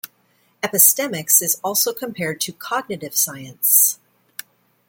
Epistemics is also compared to Cognitive Science.